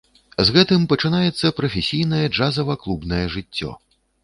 З гэтым пачынаецца прафесійнае джазава-клубнае жыццё.